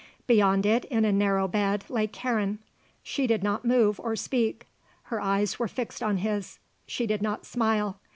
Beyond it in a narrow bed lay Karen. She did not move or speak; her eyes were fixed on his; she did not smile.